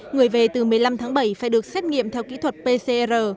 người về từ một mươi năm tháng bảy phải được xét nghiệm theo kỹ thuật pcr